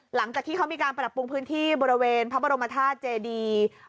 หลังจากที่เขามีการปรับปรุงพื้นที่บริเวณพระบรมธาตุเจดี